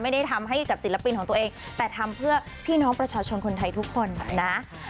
ไม่ได้ทำให้กับศิลปินของตัวเองแต่ทำเพื่อพี่น้องประชาชนคนไทยทุกคนนะ